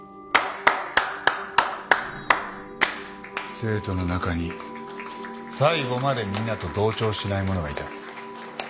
生徒の中に最後までみんなと同調しない者がいた。